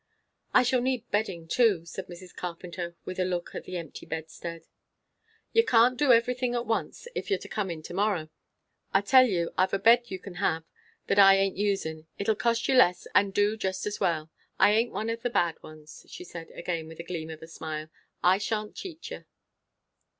"I shall need bedding too," said Mrs. Carpenter, with a look at the empty bedstead. "You can't do everything at once, if you're to come in to morrow. I'll tell you I've a bed you can have, that I aint using. It'll cost you less, and do just as well. I aint one of the bad ones," she said, again with a gleam of a smile. "I shan't cheat you."